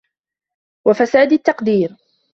وَفَسَادِ التَّقْدِيرِ